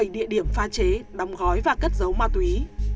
bảy địa điểm pha chế đóng gói và cất giấu ma túy